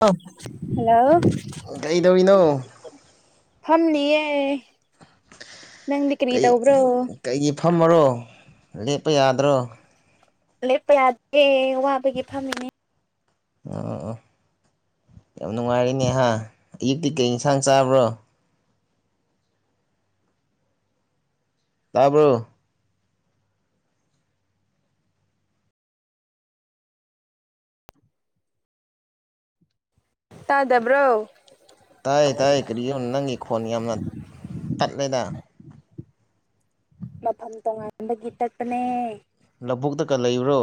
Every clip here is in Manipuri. ꯑ ꯍꯜꯂꯣ ꯀꯩꯗꯧꯔꯤꯅꯣ ꯐꯝꯂꯤꯌꯦ ꯅꯪꯗꯤ ꯀꯔꯤ ꯀꯩ ꯇꯧꯕ꯭ꯔꯣ ꯀꯩꯒꯤ ꯐꯝꯃꯔꯣ ꯂꯦꯞꯄ ꯌꯥꯗ꯭ꯔꯣ ꯂꯦꯞꯄ ꯌꯥꯗꯦ ꯋꯥꯕꯒꯤ ꯐꯝꯃꯤꯅꯦ ꯑꯣ ꯑꯣ ꯌꯥꯝ ꯅꯨꯡꯉꯥꯏꯔꯦꯅꯦꯍꯥ ꯑꯌꯨꯛꯇꯤ ꯀꯩ ꯏꯟꯁꯥꯡ ꯆꯥꯕ꯭ꯔꯣ ꯇꯥꯕ꯭ꯔꯣ ꯇꯥꯗꯕ꯭ꯔꯣ ꯇꯥꯏ ꯇꯥꯏ ꯀꯔꯤꯅꯣ ꯅꯪꯒꯤ ꯈꯣꯟ ꯌꯥꯝꯅ ꯇꯠꯂꯦꯗ ꯃꯐꯝ ꯇꯣꯉꯥꯟꯕꯒꯤ ꯇꯠꯄꯅꯦ ꯂꯧꯕꯨꯛꯇꯒ ꯂꯩꯕ꯭ꯔꯣ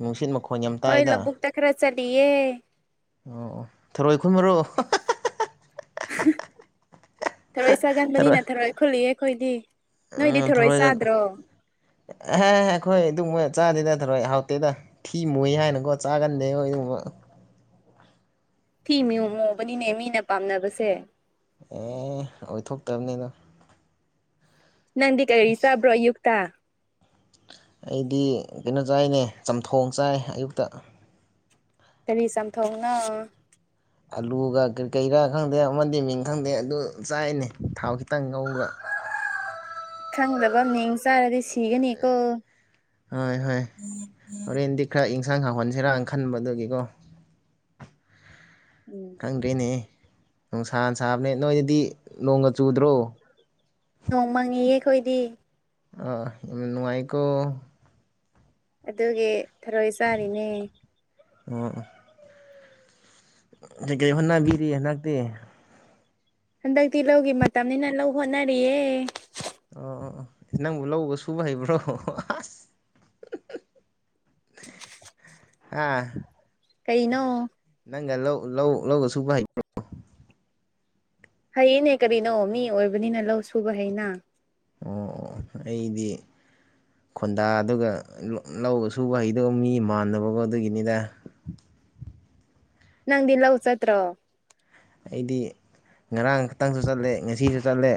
ꯅꯨꯡꯁꯤꯠ ꯃꯈꯣꯜ ꯍꯣꯏ ꯂꯕꯨꯛꯇ ꯈꯥꯔ ꯆꯠꯂꯤꯌꯦ ꯑꯣ ꯑꯣ ꯊꯔꯣꯏ ꯈꯨꯟꯕꯔꯣ ꯍꯥꯍꯥꯍꯥꯍꯥ ꯊꯔꯣꯏ ꯆꯥꯒꯟꯕꯅꯤꯅ ꯊꯔꯣꯏ ꯈꯨꯜꯂꯤꯌꯦ ꯑꯈꯣꯏꯗꯤ ꯅꯣꯏꯗꯤ ꯊꯔꯣꯏ ꯆꯥꯗ꯭ꯔꯣ ꯍ ꯍ ꯑꯈꯣꯏ ꯑꯗꯨꯒꯨꯝꯕ ꯆꯥꯗꯦꯗ ꯊꯔꯣꯏ ꯍꯥꯎꯇꯦꯗ ꯊꯤ ꯃꯨꯏ ꯍꯥꯏꯅꯀꯣ ꯆꯥꯒꯟꯗꯦ ꯑꯈꯣꯏ ꯑꯗꯨꯒꯨꯝꯕ ꯊꯤ ꯃꯨꯕꯅꯤꯅꯦ ꯃꯤꯅ ꯄꯥꯝꯅꯕꯁꯦ ꯑꯦ ꯑꯣꯏꯊꯣꯛꯇꯕꯅꯤꯗ ꯅꯪꯗꯤ ꯀꯔꯤ ꯆꯥꯕ꯭ꯔꯣ ꯑꯌꯨꯛꯇ ꯑꯩꯗꯤ ꯀꯩꯅꯣ ꯆꯥꯏꯅꯦ ꯆꯝꯊꯣꯡ ꯆꯥꯏ ꯑꯌꯨꯛꯇ ꯀꯔꯤ ꯆꯝ ꯊꯣꯡꯅꯣ ꯑꯂꯨꯒ ꯀꯩꯔꯤꯀꯩꯔꯥ ꯈꯪꯗꯦ ꯑꯃꯗꯤ ꯃꯤꯡ ꯈꯪꯗꯦ ꯑꯗꯨ ꯆꯥꯏꯅꯦ ꯊꯥꯎ ꯈꯤꯇꯪ ꯉꯧꯕ ꯈꯪꯗꯕ ꯃꯤꯡ ꯆꯥꯔꯗꯤ ꯁꯤꯒꯅꯤꯀꯣ ꯍꯣꯏ ꯍꯣꯏ ꯍꯣꯔꯦꯟꯗꯤ ꯈꯥꯔ ꯏꯟꯁꯥꯡ ꯍꯥꯎꯍꯟꯁꯤꯔꯅ ꯈꯟꯕꯑꯗꯨꯒꯤꯀꯣ ꯎꯝ ꯈꯪꯗ꯭ꯔꯦꯅꯦꯍꯦ ꯅꯨꯡꯁꯥꯅ ꯁꯥꯕꯅꯦ ꯅꯣꯏꯅꯗꯤ ꯅꯣꯡꯒ ꯆꯨꯗ꯭ꯔꯣ ꯅꯣꯡ ꯃꯪꯉꯤꯌꯦ ꯑꯈꯣꯏꯗꯤ ꯑꯥ ꯅꯨꯡꯉꯥꯏꯀꯣ ꯑꯗꯨꯒꯤ ꯊꯔꯣꯏ ꯆꯥꯔꯤꯅꯦ ꯑꯣ ꯀꯩ ꯀꯩ ꯍꯣꯠ ꯅꯥꯕꯤꯔꯤ ꯍꯟꯗꯛꯇꯤ ꯍꯟꯗꯛꯇꯤ ꯂꯧꯒꯤ ꯃꯇꯝꯅꯤꯅ ꯂꯧ ꯍꯣꯠꯅꯔꯤꯌꯦ ꯑꯣ ꯅꯪꯕꯨ ꯂꯧꯒ ꯁꯨꯕ ꯍꯩꯕ꯭ꯔꯣ ꯑꯁ ꯑꯁ ꯍꯥꯍꯥꯍꯥ [inaudible] ꯍꯥ ꯀꯩꯅꯣ ꯅꯪꯒ ꯂꯧ ꯂꯧ ꯂꯧꯒ ꯁꯨꯕ ꯍꯩꯕ꯭ꯔꯣ ꯍꯩꯌꯦꯅꯦ ꯀꯔꯤꯅꯣ ꯃꯤ ꯑꯣꯏꯕꯅꯤꯅ ꯂꯧ ꯁꯨꯕ ꯍꯩꯅ ꯑꯣ ꯑꯣ ꯑꯩꯗꯤ ꯈꯣꯟꯗꯥ ꯑꯗꯨꯒ ꯂꯧꯒ ꯁꯨꯕ ꯍꯩꯗꯧꯕ ꯃꯤ ꯃꯥꯟꯗꯕꯀꯣ ꯑꯗꯨꯒꯤꯅꯤꯗ [inaudible] ꯅꯪꯗꯤ ꯂꯧ ꯆꯠꯇ꯭ꯔꯣ ꯑꯩꯗꯤ ꯉꯔꯥꯡ ꯈꯛꯇꯪꯁꯨ ꯆꯠꯂꯦ ꯉꯁꯤꯁꯨ ꯆꯠꯂꯦ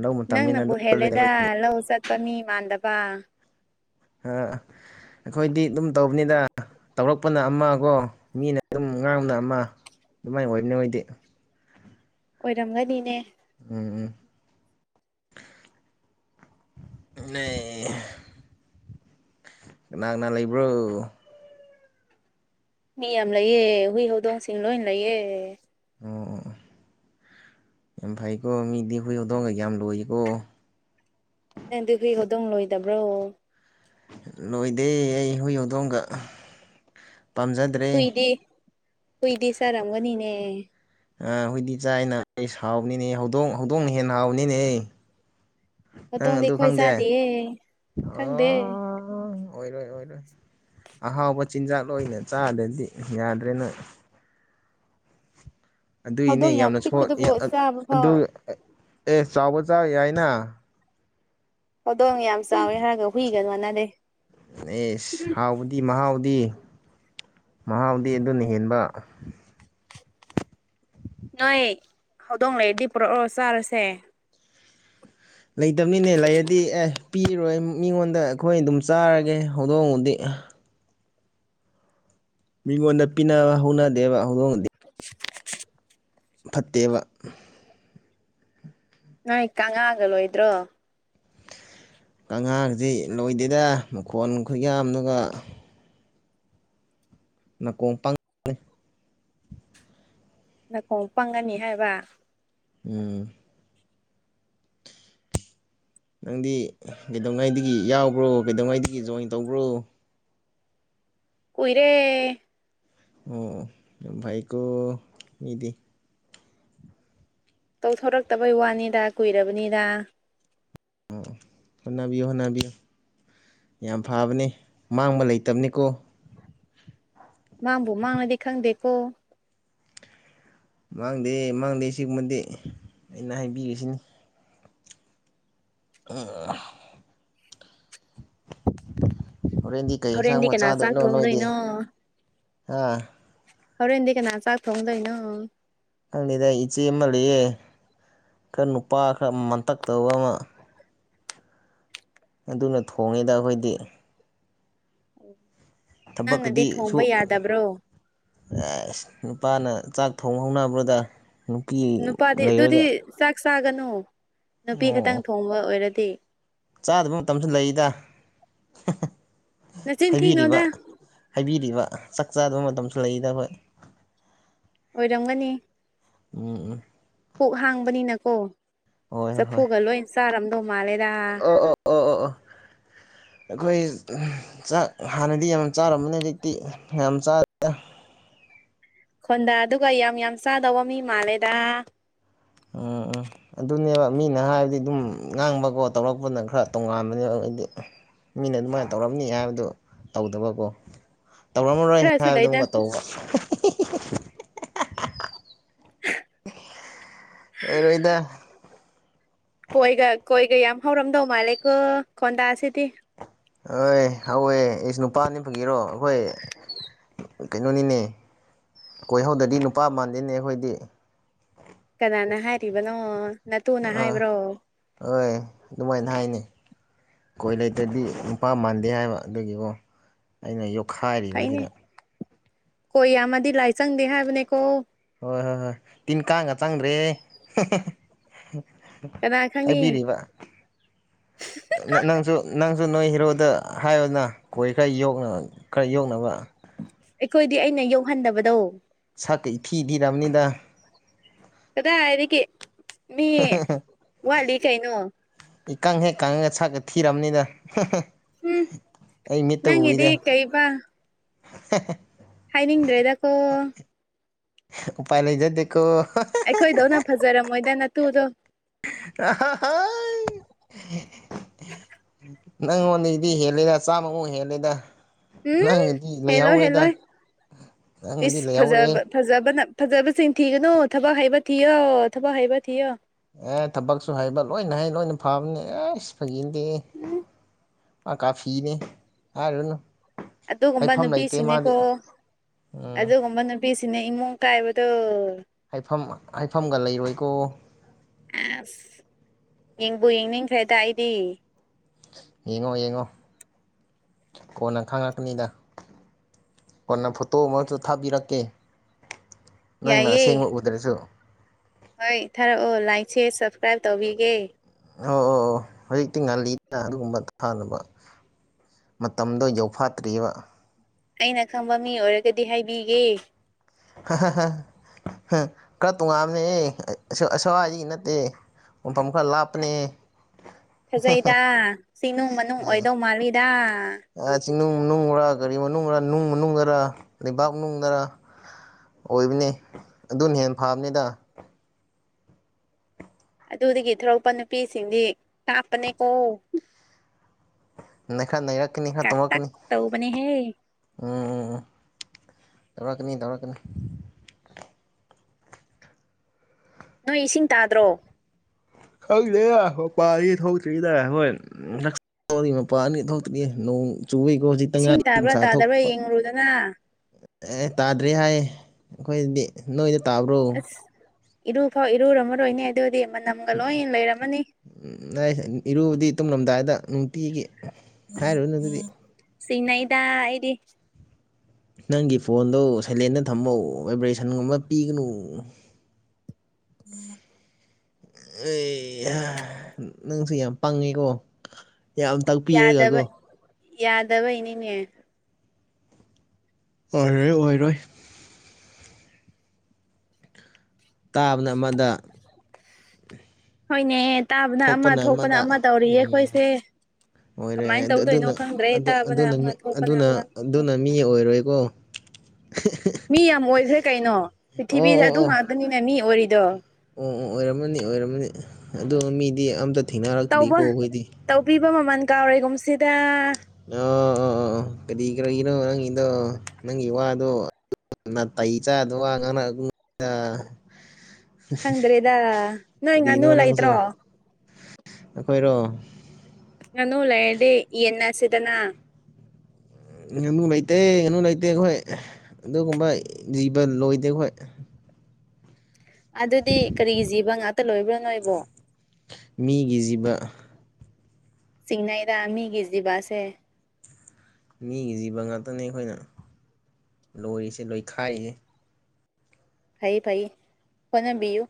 ꯂꯧ ꯃꯇꯝꯅꯤꯅ ꯅꯪꯅꯕꯨ ꯑꯗꯨꯝ ꯆꯠꯂꯦꯗ ꯍꯦꯜꯂꯦꯗ ꯂꯧ ꯆꯠꯄ ꯃꯤ ꯃꯥꯟꯗꯕ ꯑ ꯑꯩꯈꯣꯏꯗꯤ ꯑꯗꯨꯝ ꯇꯧꯕꯅꯤꯗ ꯇꯧꯔꯛꯄꯅ ꯑꯃꯒꯣ ꯃꯤꯅ ꯑꯗꯨꯝ ꯉꯥꯡꯅ ꯑꯃ ꯑꯗꯨꯃꯥꯏ ꯑꯣꯏꯕꯅꯦ ꯑꯣꯏꯗꯤ ꯑꯣꯏꯔꯝꯒꯅꯤꯅꯦ ꯎꯝ ꯎꯝ ꯍꯥ ꯅꯦ ꯍꯥ ꯀꯅꯥ ꯀꯅꯥ ꯂꯩꯕ꯭ꯔꯣ ꯃꯤ ꯌꯥꯝ ꯂꯩꯌꯦ ꯍꯨꯏ ꯍꯧꯗꯣꯡꯁꯤꯡ ꯂꯣꯏ ꯂꯩꯌꯦ ꯑꯣꯑꯣ ꯌꯥꯝ ꯐꯩꯀꯣ ꯃꯤꯗꯤ ꯍꯨꯏ ꯑꯣꯗꯣꯡꯒ ꯌꯥꯝ ꯂꯣꯏꯀꯣ ꯅꯪꯗꯤ ꯍꯨꯏ ꯍꯧꯗꯣꯡ ꯂꯣꯏꯗꯕ꯭ꯔꯣ ꯂꯣꯏꯗꯦ ꯑꯩ ꯍꯨꯏ ꯍꯧꯗꯣꯡꯒ ꯄꯥꯝꯖꯗ꯭ꯔꯦ ꯍꯨꯏꯗꯤ ꯍꯨꯏꯗꯤ ꯆꯥꯔꯝꯒꯅꯤꯅꯦ ꯑꯥ ꯍꯨꯏꯗꯤ ꯆꯥꯏꯅ ꯑꯁ ꯍꯥꯎꯕꯅꯤꯅꯦ ꯍꯧꯗꯣꯡ ꯍꯧꯗꯣꯡꯅ ꯍꯦꯟꯅ ꯍꯥꯎꯕꯅꯤꯅꯦꯍꯦ ꯍꯧꯗꯣꯡꯗꯤ ꯑꯩꯈꯣꯏ ꯆꯥꯗꯤꯌꯦ ꯑꯣ ꯈꯪꯗꯦ ꯑꯣꯏꯔꯣꯏ ꯑꯣꯏꯔꯣꯏ ꯑꯍꯥꯎꯕ ꯆꯤꯟꯖꯥꯛ ꯂꯣꯏꯅ ꯆꯥꯗ꯭ꯔꯗꯤ ꯌꯥꯗ꯭ꯔꯦ ꯅꯪ ꯑꯗꯨꯏꯒꯤꯅꯦ ꯍꯧꯗꯣꯡ ꯌꯥꯝ ꯌꯥꯝꯅ ꯁꯣꯏ ꯄꯤꯛꯄꯗꯨꯕꯨ ꯑꯦ ꯆꯥꯕ ꯐꯥꯎ ꯑꯗꯨ ꯑꯦ ꯆꯥꯎꯕ ꯆꯥ ꯌꯥꯏꯅ ꯍꯧꯗꯣꯡ ꯌꯥꯝ ꯆꯥꯎꯋꯦ ꯍꯥꯏꯔꯒ ꯍꯨꯏꯒ ꯃꯥꯟꯅꯗꯦ ꯑꯦꯁ ꯍꯥꯎꯕꯗꯤ ꯃꯍꯥꯎ ꯗꯤ ꯃꯍꯥꯎꯗꯤ ꯑꯗꯨꯅ ꯍꯦꯟꯕ ꯅꯣꯏ ꯍꯧꯗꯣꯡ ꯂꯩꯔꯗꯤ ꯄꯨꯔꯛꯑꯣ ꯆꯥꯔꯁꯦ ꯂꯩꯇꯝꯅꯤꯅꯦ ꯂꯩꯔꯗꯤ ꯑꯦ ꯄꯤꯔꯣꯏ ꯃꯤꯉꯣꯟꯗ ꯑꯩꯈꯣꯏ ꯑꯗꯨꯝ ꯆꯥꯔꯒꯦ ꯍꯧꯗꯣꯡꯕꯨꯗꯤ ꯍꯥ ꯃꯤꯉꯣꯟꯗ ꯄꯤꯅꯕ ꯍꯧꯅꯗꯦꯕ ꯍꯧꯗꯣꯡꯗꯤ [unintelligible] ꯐꯠꯇꯦꯕ ꯅꯣꯏ ꯀꯥꯉꯥꯒ ꯂꯣꯏꯗ꯭ꯔꯣ ꯀꯥꯡꯉꯥꯗꯤ ꯂꯣꯏꯗꯦꯗ ꯃꯈꯣꯟ ꯈꯨꯌꯥꯝꯗꯨꯒ ꯅꯥꯀꯣꯡ ꯄꯪꯕꯅꯦ ꯅꯥꯀꯣꯡ ꯄꯪꯉꯥꯅꯤ ꯍꯥꯏꯕ ꯎꯝ ꯅꯪꯗꯤ ꯀꯩꯗꯧꯉꯩꯗꯒꯤ ꯌꯥꯎꯕ꯭ꯔꯣ ꯀꯩꯗꯧꯉꯩꯗꯒꯤ ꯖꯣꯏꯟ ꯇꯧꯕ꯭ꯔꯣ ꯀꯨꯏꯔꯦ ꯑꯣ ꯌꯝ ꯐꯩꯀꯣ ꯃꯤꯗꯤ ꯇꯧꯊꯣꯔꯛꯇꯕꯩ ꯋꯥꯅꯤꯗ ꯀꯨꯏꯔꯕꯅꯤꯗ ꯑꯣ ꯑꯣ ꯍꯣꯠꯅꯕꯤꯌꯨ ꯍꯣꯠꯅꯕꯤ ꯌꯥꯝ ꯐꯕꯅꯤ ꯃꯥꯡꯕ ꯂꯩꯇꯝꯅꯦꯀꯣ ꯃꯥꯡꯕꯨ ꯃꯥꯡꯂꯗꯤ ꯈꯪꯗꯦꯀꯣ ꯃꯥꯡꯗꯦ ꯃꯥꯡꯗꯦ ꯁꯤꯒꯨꯝꯕꯗꯤ ꯑꯩꯅ ꯍꯥꯏꯕꯤꯔꯤꯁꯤꯅꯤ ꯎꯝꯝ ꯍꯥ ꯍꯣꯔꯦꯟꯗꯤ ꯀꯩ ꯌꯦꯟꯁꯥꯡ ꯍꯣꯔꯦꯟꯗꯤ ꯃ ꯀꯅꯥ ꯆꯥꯛ ꯆꯥꯗꯣꯏꯅꯣ ꯅꯣꯏꯗꯤ ꯊꯣꯡꯗꯣꯏꯅꯣ ꯍꯥ ꯍꯣꯔꯦꯟꯗꯤ ꯀꯅꯅꯥ ꯆꯥꯛ ꯊꯣꯡꯗꯣꯏꯅꯣ ꯈꯪꯗꯦꯗ ꯏꯆꯦ ꯃꯥ ꯂꯩꯌꯦ ꯈꯔ ꯅꯨꯄꯥ ꯈꯔ ꯃꯟꯇꯛꯇꯧꯕ ꯑꯃ ꯑꯗꯨꯅ ꯊꯣꯡꯉꯦꯗ ꯑꯩꯈꯣꯏꯗꯤ ꯑꯣ ꯅꯪꯅꯗꯤ ꯊꯣꯡꯕ ꯌꯥꯗꯕ꯭ꯔꯣ ꯑꯦꯁ ꯅꯨꯄꯥꯅ ꯆꯥꯛ ꯊꯣꯡꯍꯧꯅꯕ꯭ꯔꯣꯗ ꯅꯨꯄꯥꯗꯤ ꯑꯗꯨꯗꯤ ꯆꯥꯛ ꯆꯥꯒꯅꯨ ꯅꯨꯄꯤ ꯑꯣ ꯈꯇꯪ ꯊꯣꯡꯕ ꯑꯣꯏꯔꯗꯤ ꯆꯥꯗꯕ ꯃꯇꯝꯁꯨ ꯂꯩꯗ ꯅꯆꯤꯟ ꯍꯥꯏꯕꯤꯔꯤꯕ ꯊꯤꯅꯣꯗ ꯍꯥꯏꯕꯤꯔꯤꯕ ꯆꯥꯛ ꯆꯥꯗꯕ ꯃꯇꯝꯁꯨ ꯂꯩꯗ ꯑꯈꯣꯏ ꯑꯣꯏꯔꯝꯒꯅꯤ ꯎꯝ ꯎꯝ ꯄꯨꯛ ꯍꯥꯡꯕꯅꯤꯅꯀꯣ ꯍꯣꯏ ꯍꯣꯏ ꯍꯣꯏ ꯆꯐꯨꯒ ꯂꯣꯏ ꯆꯥꯔꯝꯗꯧ ꯃꯥꯜꯂꯦꯗ ꯑꯣ ꯑꯣ ꯑꯣ ꯑꯣ ꯑꯣ [inaudible] ꯑꯩꯈꯣꯏ ꯆꯥꯛ ꯍꯥꯟꯅꯗꯤ ꯌꯥꯝ ꯆꯥꯔꯝꯕꯅꯤ ꯍꯧꯖꯤꯛꯇꯤ ꯌꯥꯝ ꯆꯥꯗꯦꯗ [inaudible] ꯈꯣꯟꯗꯗꯨꯒ ꯌꯥꯝ ꯌꯥꯝ ꯆꯥꯗꯧꯕ ꯃꯤ ꯃꯥꯜꯂꯦꯗ ꯎꯝ ꯎꯝ ꯑꯗꯨꯅꯦꯕ ꯃꯤꯅ ꯍꯥꯏꯕꯗꯤ ꯑꯗꯨꯝ ꯉꯥꯡꯕꯀꯣ ꯇꯧꯔꯛꯄꯅ ꯈꯔ ꯇꯣꯉꯥꯟꯕꯅꯦ ꯑꯩꯗꯤ ꯃꯤꯅ ꯑꯗꯨꯃꯥꯏꯅ ꯇꯧꯔꯝꯅꯤ ꯍꯥꯏꯕꯗꯨ ꯇꯧꯗꯕꯀꯣ ꯇꯧꯔꯝꯃꯔꯣꯏ ꯈꯔꯁꯨ ꯍꯥꯏꯕꯗꯨ ꯂꯩꯗ ꯑꯃꯨꯛꯀ ꯇꯧꯕ ꯍꯦ ꯍꯦ ꯍꯥ ꯂꯩꯔꯣꯏꯗ ꯀꯣꯏꯒ ꯀꯣꯏꯒ ꯌꯥꯝ ꯍꯧꯔꯝꯗꯧ ꯃꯥꯂꯦꯀꯣ ꯈꯣꯟꯗꯥꯁꯤꯗꯤ ꯄꯥꯅꯤ ꯐꯥꯒꯤꯔꯣ ꯑꯩꯈꯣꯏ ꯀꯩꯅꯣꯅꯤꯅꯦ ꯀꯣꯏꯍꯧꯗꯗꯤ ꯅꯨꯄꯥ ꯃꯥꯟꯗꯦꯅꯦ ꯑꯩꯈꯣꯏꯗꯤ ꯀꯅꯥꯅ ꯍꯥꯏꯔꯤꯕꯅꯣ ꯅꯥꯇꯨꯅ ꯑꯥ ꯍꯥꯏꯕ꯭ꯔꯣ ꯍꯣꯏ ꯑꯗꯨꯃꯥꯏꯅ ꯍꯥꯏꯅꯦ ꯀꯣꯏ ꯂꯩꯇꯗꯤ ꯅꯨꯄꯥ ꯃꯥꯟꯗꯦ ꯍꯥꯏꯕ ꯑꯗꯨꯒꯤꯒꯣ ꯑꯩꯅ ꯌꯣꯛ ꯐꯩꯅꯦ ꯈꯥꯏꯔꯤꯕꯁꯤꯗ ꯀꯣꯏ ꯌꯝꯃꯗꯤ ꯂꯥꯏꯆꯪꯗꯦ ꯍꯥꯏꯕꯅꯦꯀꯣ ꯍꯣꯏ ꯍꯣꯏ ꯍꯣꯏ ꯇꯤꯟ ꯀꯥꯡꯒ ꯆꯪꯗ꯭ꯔꯦ ꯍꯥꯍꯥꯍꯥ ꯀꯅꯥ ꯈꯪꯉꯤ ꯍꯥꯏꯕꯤꯔꯤꯕ ꯅ ꯅꯪꯁꯨ ꯅꯪ ꯑꯗꯨ ꯅꯣꯏ ꯍꯤꯔꯣꯗ ꯍꯥꯏꯌꯣꯅ ꯀꯣꯏ ꯈꯔ ꯌꯣꯛꯅ ꯈꯔ ꯌꯣꯛꯅꯕ ꯑꯩꯈꯣꯏꯗꯤ ꯑꯩꯅ ꯌꯣꯛꯍꯟꯗꯕꯗꯣ ꯁꯛꯀ ꯏꯊꯤ ꯗꯤꯔꯝꯅꯤꯗ ꯀꯗꯥꯏꯗꯒꯤ ꯃꯤ ꯋꯥꯠꯂꯤ ꯀꯩꯅꯣ ꯏꯀꯪ ꯍꯦꯛ ꯀꯪꯉꯒ ꯁꯛꯀ ꯊꯤꯔꯝꯅꯤꯗ ꯍꯥꯍꯥ ꯎꯝ ꯑꯩ ꯃꯤꯠꯇ ꯅꯪꯒꯤꯗꯤ ꯎꯨꯏꯗ ꯀꯩꯕ ꯍꯦꯍꯦ ꯍꯥꯏꯅꯤꯡꯗ꯭ꯔꯦꯗꯀꯣ ꯎꯄꯥꯥꯏ ꯂꯩꯖꯗꯦꯀꯣ ꯑꯩꯈꯣꯏꯗꯧꯅ ꯐꯖꯔꯝꯃꯣꯏꯗ ꯅꯇꯨꯗꯣ ꯑꯍꯥ ꯍꯥꯢ ꯅꯪꯉꯣꯟꯗꯒꯤꯗꯤ ꯍꯦꯜꯂꯦꯗ ꯆꯥꯝꯃꯃꯨꯛ ꯍꯦꯜꯂꯦꯗ ꯎꯝ ꯅꯪꯒꯗꯤ ꯍꯦꯜꯂꯣꯢ ꯂꯩꯍꯧꯔꯦꯗ ꯍꯦꯜꯂꯣꯢ ꯅꯪꯒꯗꯤ ꯏꯁ ꯂꯩꯍꯧꯔꯦ ꯐꯖꯕ ꯐꯖꯕꯅ ꯐꯖꯕꯁꯤꯡ ꯊꯤꯒꯅꯨ ꯊꯕꯛ ꯍꯩꯕ ꯊꯤꯌꯣ ꯊꯕꯛ ꯍꯩꯕ ꯊꯤꯌꯣ ꯑꯦ ꯊꯕꯛꯁꯨ ꯍꯩꯕ ꯂꯣꯏꯅ ꯍꯩ ꯂꯣꯏꯅ ꯐꯥꯕꯅꯦ ꯑꯦꯁ ꯐꯥꯒꯤ ꯅꯠꯇꯦꯍꯦ ꯑꯥ ꯀꯥꯐꯤꯅꯦ ꯍꯥꯏꯔꯨꯔꯅꯨ ꯑꯗꯨꯒꯨꯝꯕ ꯅꯨꯄꯤꯁꯤꯅꯦꯀꯣ ꯎꯝ ꯑꯗꯨꯒꯨꯝꯕ ꯅꯨꯄꯤꯁꯤ ꯁꯤꯅꯦ ꯏꯃꯨꯡ ꯀꯥꯏꯕꯗꯣ ꯍꯥꯏꯐꯝ ꯍꯥꯏꯐꯝꯒ ꯂꯩꯔꯣꯏꯀꯣ ꯑꯦꯁ ꯌꯦꯡꯕꯨ ꯌꯦꯡꯅꯤꯡꯈ꯭ꯔꯦꯗ ꯑꯩꯗꯤ ꯌꯦꯡꯉꯣ ꯌꯦꯡꯉꯣ ꯀꯣꯟꯅ ꯈꯪꯉꯛꯀꯅꯤꯗ ꯀꯣꯟꯅ ꯐꯣꯇꯣ ꯑꯃꯁꯨ ꯊꯥꯕꯤꯔꯛꯀꯦ ꯅꯪꯅ ꯌꯥꯏꯌꯦ ꯑꯁꯦꯡꯕ ꯎꯗ꯭ꯔꯁꯨ ꯍꯣꯏ ꯊꯥꯔꯛꯑꯣ ꯂꯥꯢꯛ ꯁ꯭ꯌꯦꯔ ꯁꯕꯞꯁꯀ꯭ꯔꯥꯏꯞ ꯇꯧꯕꯤꯒꯦ ꯑꯣ ꯑꯣ ꯑꯣ ꯍꯧꯖꯤꯛꯇꯤ ꯉꯜꯂꯤꯗꯅ ꯑꯗꯨꯒꯨꯝꯕ ꯊꯥꯅꯕ ꯃꯇꯝꯗꯣ ꯌꯧꯐꯥꯠꯇ꯭ꯔꯤꯕ ꯑꯩꯅ ꯈꯪꯕ ꯃꯤ ꯑꯣꯏꯔꯒꯗꯤ ꯍꯥꯏꯕꯤꯒꯦ ꯍꯥ ꯍꯥ ꯍꯥ ꯍꯥ ꯈꯔ ꯇꯣꯉꯥꯟꯕꯅꯦꯍꯦ ꯑ ꯑꯁꯋꯥꯏꯗꯒꯤ ꯅꯠꯇꯦ ꯃꯐꯝ ꯈꯔ ꯂꯥꯞꯄꯅꯦ ꯐꯥꯖꯩꯗ ꯆꯤꯡꯅꯨꯡ ꯃꯅꯨꯡ ꯑꯣꯏꯗꯧ ꯃꯥꯜꯂꯤꯗ ꯑꯥ ꯆꯤꯡꯅꯨꯡ ꯃꯅꯨꯡꯔꯥ ꯒꯥꯔꯤ ꯃꯅꯨꯡꯔꯥ ꯅꯨꯡ ꯃꯅꯨꯡꯗꯔ ꯂꯩꯕꯥꯛ ꯃꯅꯨꯡꯗꯔ ꯑꯣꯏꯕꯅꯦ ꯑꯗꯨꯅ ꯍꯦꯟꯅ ꯐꯕꯅꯦꯗ [inaudible] ꯑꯗꯨꯗꯒꯤ ꯊꯣꯔꯛꯄ ꯅꯨꯄꯤꯁꯤꯡꯗꯤ ꯀꯥꯞꯄꯅꯦꯀꯣ ꯅ ꯈꯔ ꯅꯩꯔꯛꯀꯅꯤ ꯈꯔ ꯀꯥꯛꯇꯛ ꯇꯧꯔꯛꯀꯅꯤ ꯇꯧꯕꯅꯦꯍꯦ ꯎꯝ ꯎꯝ ꯎꯝ ꯇꯧꯔꯛꯀꯅꯤ ꯇꯧꯔꯛꯀꯅꯤ ꯅꯣꯏ ꯏꯁꯤꯡ ꯇꯥꯗ꯭ꯔꯣ ꯈꯪꯗꯦ ꯄꯥꯔꯤ ꯊꯣꯛꯇ꯭ꯔꯤꯗ ꯍꯣꯏ ꯅꯛꯁ ꯈꯣꯢ ꯃꯄꯥꯅꯤ ꯊꯣꯛꯇ꯭ꯔꯤꯌꯦ ꯅꯣꯡ ꯆꯨꯏꯀꯣ ꯍꯧꯖꯤꯛꯇ ꯏꯁꯤꯡ ꯉꯥꯢꯔꯤ ꯇꯥꯕ꯭ꯔꯥ ꯅꯨꯡꯁꯥ ꯇꯥꯗꯕ꯭ꯔꯥ ꯊꯣꯛꯄ ꯌꯦꯡꯉꯨꯔꯨꯗꯅ ꯑꯦ ꯇꯥꯗ꯭ꯔꯤ ꯍꯥꯏ ꯑꯩꯈꯣꯏꯗꯗꯤ ꯅꯣꯏꯗ ꯇꯥꯕ꯭ꯔꯣ ꯏꯔꯨ ꯐꯥꯎ ꯏꯔꯨꯨꯔꯝꯃꯔꯣꯏꯅꯦ ꯑꯗꯨꯗꯤ ꯃꯅꯝꯒ ꯎꯝ ꯂꯣꯏ ꯂꯩꯔꯝꯃꯅꯤ ꯎꯝ ꯅ ꯢ ꯏꯔꯨꯗꯤ ꯇꯨꯝꯂꯝꯗꯥꯏꯗ ꯅꯨꯡꯇꯤꯒꯤ ꯍꯥꯏꯔꯨꯅꯨ ꯑꯗꯨꯗꯤ ꯆꯤꯡ ꯅꯩꯗ ꯑꯩꯗꯤ ꯅꯪꯒꯤ ꯐꯣꯟꯗꯣ ꯁꯥꯏꯂꯦꯟꯗ ꯊꯝꯃꯣ ꯚꯥꯏꯕ꯭ꯔꯦꯁꯟꯒꯨꯝꯕ ꯄꯤꯒꯅꯨ [inaudible] ꯑꯩꯍꯥ ꯅꯪꯁꯨ ꯌꯥꯝ ꯄꯪꯉꯦꯀꯣ ꯌꯥꯝ ꯌꯥꯗꯕ ꯇꯥꯛꯄꯤꯔꯒꯀꯣ ꯌꯥꯗꯕꯩꯅꯤꯅꯦ ꯑꯣꯏꯔꯣꯏ ꯑꯣꯏꯔꯣꯏ ꯇꯥꯕꯅ ꯑꯃꯗ ꯍꯣꯏꯅꯦ ꯇꯥꯕꯅ ꯑꯃ ꯊꯣꯛꯄꯅ ꯑꯃ ꯇꯧꯔꯤꯌꯦ ꯑꯩꯈꯣꯏꯁꯦ ꯀꯃꯥꯏ ꯑꯣꯏꯔꯦ ꯇꯧꯗꯣꯏꯅꯣ ꯑꯗꯨꯅ ꯈꯪꯗ꯭ꯔꯦ ꯑꯗꯨ ꯇꯥꯕꯅ ꯑꯃ ꯑꯗꯨꯅ ꯊꯣꯛꯄꯅ ꯑꯗꯨꯅ ꯑꯃ ꯑꯗꯨꯅ ꯃꯤ ꯑꯣꯏꯔꯣꯏꯀꯣ ꯃꯤ ꯌꯥꯝ ꯑꯣꯏꯈ꯭ꯔꯦ ꯀꯩꯅꯣ ꯑꯣ ꯑꯣ ꯄ꯭ꯔꯤꯊꯤꯕꯤꯗ ꯑꯣ ꯑꯗꯨ ꯉꯥꯛꯇꯅꯤꯅꯦ ꯃꯤ ꯑꯣꯏꯔꯤꯗꯣ ꯑꯣ ꯑꯣ ꯑꯣꯏꯔꯝꯃꯅꯤ ꯑꯣꯏꯔꯝꯃꯅꯤ ꯑꯗꯨ ꯃꯤꯗꯤ ꯑꯃꯇ ꯇꯧꯕ ꯇꯧꯕꯤꯕ ꯃꯃꯜ ꯀꯥꯎꯔꯦꯒꯨꯝꯁꯤꯗ ꯑꯣ ꯑꯣ ꯑꯣ ꯀꯔꯤ ꯀꯔꯒꯤꯅꯣ ꯅꯪꯒꯤꯗꯣ ꯅꯪꯒꯤ ꯋꯥꯗꯣ ꯅꯥꯇꯩ ꯆꯥꯗꯕ ꯋꯥ ꯉꯥꯡꯅꯒꯨꯝꯁꯤꯗ ꯍꯥꯍꯥ ꯈꯪꯗ꯭ꯔꯦꯗ ꯅꯣꯏ ꯀꯔꯤꯅꯣ ꯉꯥꯅꯨ ꯅꯪꯁꯨ ꯂꯩꯇ꯭ꯔꯣ ꯑꯩꯈꯣꯏꯔꯣ ꯉꯥꯅꯨ ꯂꯩꯔꯗꯤ ꯌꯦꯟꯅꯁꯤꯗꯅ ꯉꯥꯅꯨ ꯂꯩꯇꯦ ꯉꯥꯅꯨ ꯂꯩꯇꯦ ꯑꯩꯈꯣꯏ ꯑꯗꯨꯒꯨꯝꯕ ꯖꯤꯕ ꯂꯣꯏꯗꯦ ꯑꯩꯈꯣꯏ [unintelligible] [inaudible] ꯑꯗꯨꯗꯤ ꯀꯔꯤꯒꯤ ꯖꯤꯕ ꯉꯥꯛꯇ ꯂꯣꯏꯕ꯭ꯔꯥ ꯅꯣꯏꯕꯨ ꯃꯤꯒꯤ ꯖꯤꯕ ꯆꯤꯡꯅꯩꯗ ꯃꯤꯒꯤ ꯖꯤꯕꯥꯁꯦ ꯃꯤꯒꯤ ꯖꯤꯕ ꯉꯥꯛꯇꯅꯦ ꯑꯩꯈꯣꯏꯅ ꯂꯣꯏꯔꯤꯁꯦ ꯂꯣꯏꯈꯥꯏꯔꯤꯁꯦ ꯐꯩꯌꯦ ꯐꯩꯌꯦ ꯍꯣꯠꯅꯕꯤꯌꯨ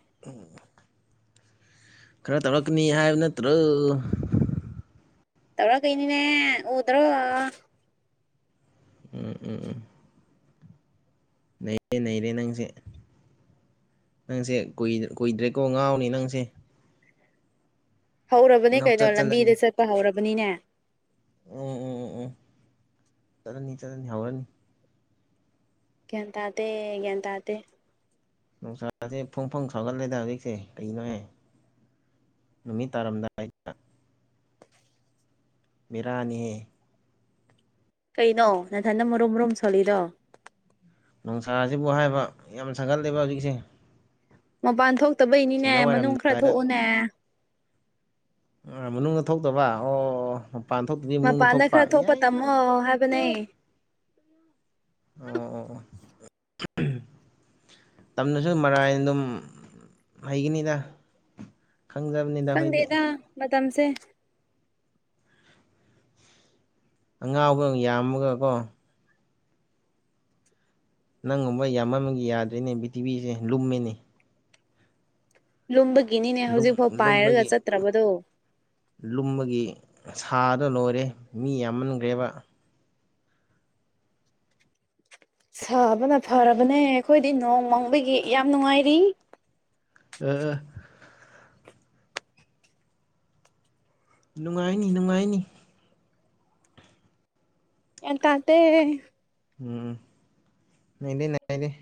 ꯈꯔ ꯇꯧꯔꯛꯀꯅꯤ ꯍꯥꯏꯕ ꯅꯠꯇ꯭ꯔꯣ ꯇꯧꯔꯀ ꯀꯩꯅꯤꯅꯦ ꯎꯗ꯭ꯔꯣ ꯎꯝ ꯎꯝ ꯎꯝ ꯅꯩꯔꯦ ꯅꯩꯔꯦ ꯅꯪꯁꯦ ꯅꯪꯁꯦ ꯀꯨꯏꯗ꯭ꯔꯦꯀꯣ ꯉꯥꯎꯅꯤ ꯅꯪꯁꯦ ꯍꯧꯔꯕꯅꯦ ꯀꯩꯅꯣ ꯉꯥꯎꯆꯠ ꯆꯠꯂꯅꯤ ꯂꯝꯕꯤꯗ ꯆꯠꯄ ꯍꯧꯔꯕꯅꯤꯅꯦ ꯎꯝ ꯎꯝ ꯎꯝ ꯎꯝ ꯆꯠꯂꯅꯤ ꯆꯠꯂꯅꯤ ꯍꯧꯔꯅꯤ ꯒ꯭ꯌꯥꯟꯇꯗꯦ ꯒ꯭ꯌꯥꯟꯇꯗꯦ ꯅꯨꯡꯁꯥꯥꯁꯦ ꯐꯣꯡ ꯐꯣꯡ ꯁꯥꯎꯒꯠꯂꯦꯗ ꯍꯧꯖꯤꯛꯁꯦ ꯀꯩꯅꯣꯍꯦ ꯅꯨꯃꯤꯠ ꯇꯥꯔꯝꯗꯥꯏꯗ ꯕꯦꯔꯥꯅꯤꯍꯦ ꯀꯩꯅꯣ ꯅꯊꯟꯗ ꯃꯨꯔꯨꯝ ꯃꯨꯔꯨꯝ ꯁꯣꯜꯂꯤꯗꯣ ꯅꯨꯡꯁꯥꯁꯤꯕꯨ ꯍꯥꯏꯕ ꯌꯥꯝ ꯁꯥꯒꯠꯂꯦꯕ ꯍꯨꯖꯤꯛꯁꯦ ꯃꯄꯥꯟ ꯊꯣꯛꯇꯕꯩꯅꯤꯅꯦ ꯃꯅꯨꯡ ꯈꯔ ꯋꯥꯏꯔꯝꯗꯥꯏꯗ ꯊꯣꯛꯎꯅꯦ ꯃꯅꯨꯡꯗ ꯊꯣꯛꯇꯣꯕ ꯑꯣ ꯑꯣ ꯃꯄꯥꯟꯗ ꯈꯔ ꯊꯣꯛꯄ ꯇꯝꯃꯣ ꯍꯥꯏꯕꯅꯦ ꯑꯣ ꯑꯣ ꯑꯣ [inaudible] ꯇꯝꯅꯁꯨꯝ ꯃꯔꯥꯏꯅ ꯑꯗꯨꯝ ꯍꯩꯒꯅꯤꯗ ꯁꯪꯗꯝꯅꯤꯗ ꯈꯣꯏꯗꯤ ꯇꯝꯁꯦ ꯑꯉꯥꯎꯕ ꯌꯥꯝꯃꯒ ꯀꯣ ꯅꯪꯒꯨꯝꯕ ꯌꯥꯝꯃꯟꯕꯒꯤ ꯌꯥꯗ꯭ꯔꯤꯅꯦ ꯄꯤꯊꯤꯕꯤꯁꯦ ꯂꯨꯝꯃꯦꯅꯤ ꯂꯨꯝꯕꯒꯤꯅꯤꯅꯦ ꯂꯨꯝ ꯍꯧꯖꯤꯛꯐꯥꯎ ꯄꯥꯏꯔꯒ ꯂꯨꯝꯕꯒꯤ ꯆꯠꯇ꯭ꯔꯥꯕꯗꯣ ꯁꯥꯗ ꯂꯣꯏꯔꯦ ꯃꯤ ꯌꯥꯝꯃꯟꯒ꯭ꯔꯦꯕ ꯁꯥꯕꯅ ꯐꯥꯔꯕꯅꯦ ꯑꯩꯈꯣꯏꯗꯤ ꯅꯣꯡꯃꯪꯕꯒꯤ ꯌꯥꯝ ꯅꯨꯡꯉꯥꯏꯔꯤ ꯑꯦꯑꯥ ꯅꯨꯡꯉꯥꯏꯅꯤ ꯅꯨꯡꯉꯥꯏꯅꯤ ꯑꯦꯟꯇꯥꯇꯦ ꯎꯝ [unintelligible]